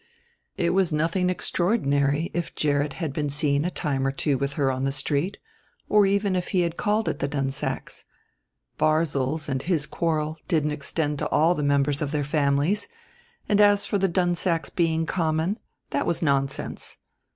It was nothing extraordinary if Gerrit had been seen a time or two with her on the street, or even if he had called at the Dunsacks'. Barzil's and his quarrel didn't extend to all the members of their families; and as for the Dunsacks being common that was nonsense.